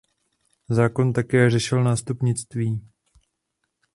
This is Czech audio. Zákon také řešil nástupnictví.